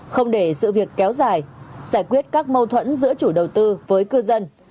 không để sự việc kéo dài giải quyết các mâu thuẫn giữa chủ đầu tư với cư dân